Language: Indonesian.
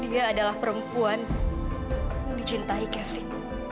dia adalah perempuan yang dicintai kevin